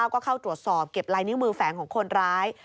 ก็เข้าตรวจสอบเก็บลายนิ้วมือแฝงของคนร้าย